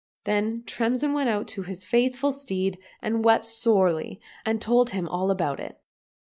" Then Tremsin went out to his faithful steed and wept sorely, and told him all about it.